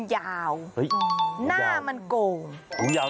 หางก็ยาว